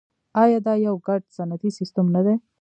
آیا دا یو ګډ صنعتي سیستم نه دی؟